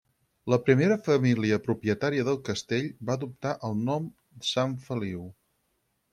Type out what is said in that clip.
La primera família propietària del castell va adoptar el nom Sant Feliu.